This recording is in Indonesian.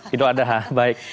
itu ada baik